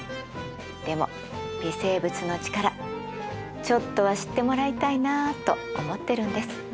でも微生物の力ちょっとは知ってもらいたいなと思ってるんです。